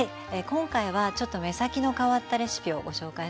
今回はちょっと目先の変わったレシピをご紹介します。